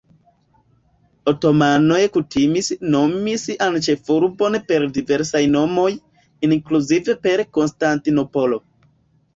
Otomanoj kutimis nomi sian ĉefurbon per diversaj nomoj, inkluzive per Konstantinopolo.